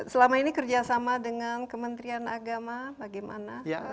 selama ini kerjasama dengan kementerian agama bagaimana